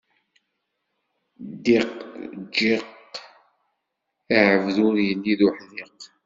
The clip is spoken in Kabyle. Ddiq, jjiq, lɛebd ur illi d uḥdiq.